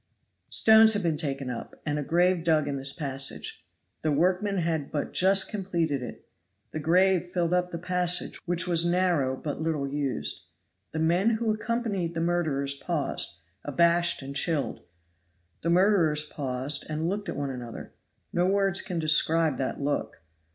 Stones had been taken up, and a grave dug in this passage. The workmen had but just completed it. The grave filled up the passage, which was narrow and but little used. The men who accompanied the murderers paused, abashed and chilled. The murderers paused and looked at one another; no words can describe that look!